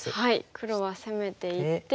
黒は攻めていって。